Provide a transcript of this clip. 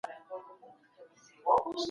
ټولنیز علوم بیا ثابت نه دي.